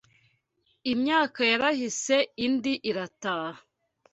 IMYAKA yarahise indi irataha